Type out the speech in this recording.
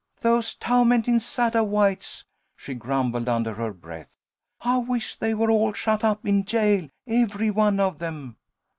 "Those tawmentin' Sattawhites!" she grumbled, under her breath. "I wish they were all shut up in jail, every one of them!"